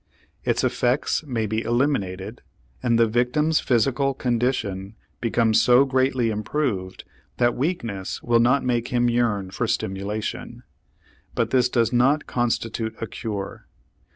Its effects may be eliminated, and the victim's physical condition become so greatly improved that weakness will not make him yearn for stimulation; but this does not constitute a cure.